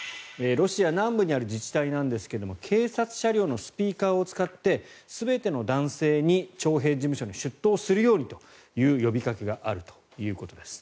ロシア南部にある自治体なんですが警察車両のスピーカーを使って全ての男性に徴兵事務所に出頭するようにという呼びかけがあるということです。